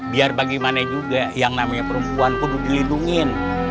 biar bagaimana juga yang namanya perempuan pun dilindungin